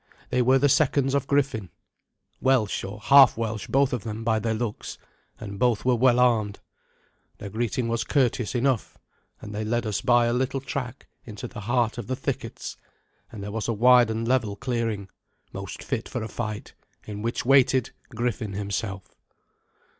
They were the seconds of Griffin, Welsh or half Welsh both of them by their looks, and both were well armed. Their greeting was courteous enough, and they led us by a little track into the heart of the thickets, and there was a wide and level clearing, most fit for a fight, in which waited Griffin himself.